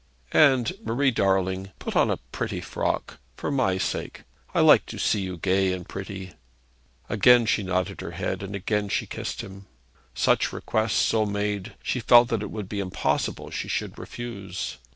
'And, Marie darling, put on a pretty frock, for my sake. I like to see you gay and pretty.' Again she nodded her head, and again she kissed him. Such requests, so made, she felt that it would be impossible she should refuse.